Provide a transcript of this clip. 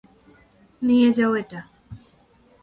নিয়ে যাও এটা!